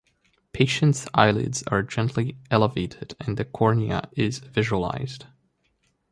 Patient's eyelids are gently elevated and the cornea is visualized.